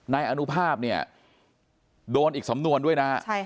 นายอนุภาพโดนอีกสำนวนด้วยนะ